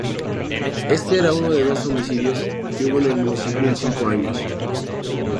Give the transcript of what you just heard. Este era uno de dos homicidios que hubo en el municipio en cinco años.